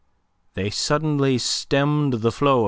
They suddenly stemmed the flow of M.